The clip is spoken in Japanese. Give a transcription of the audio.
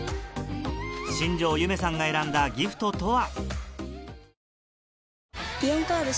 新條由芽さんが選んだギフトとは？